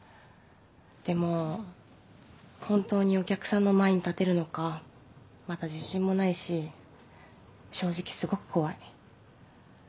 でも本当にお客さんの前に立てるのかまだ自信もないし正直すごく怖い。